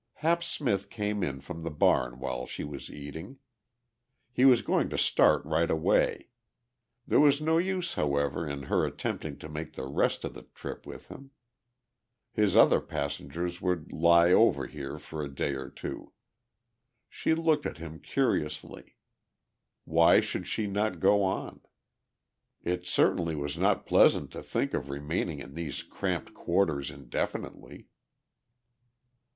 Hap Smith came in from the barn while she was eating. He was going to start right away. There was no use, however, in her attempting to make the rest of the trip with him. His other passengers would lie over here for a day or two. She looked at him curiously: why should she not go on? It certainly was not pleasant to think of remaining in these cramped quarters indefinitely.